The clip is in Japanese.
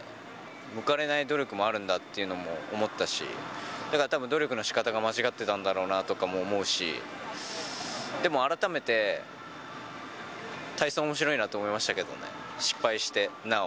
報われない努力もあるんだって思ったし、だからたぶん、努力のしかたが間違ってたんだろうなとかも思うし、でも改めて体操おもしろいなと思いましたけどね、失敗してなお。